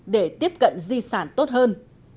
để tiếp cận di sản tốt hơn